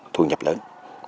thu nhập lớn